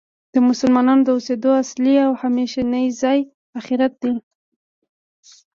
د مسلمانانو د اوسیدو اصلی او همیشنی ځای آخرت دی .